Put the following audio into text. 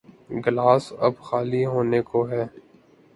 Glass اب خالی ہونے کو ہے۔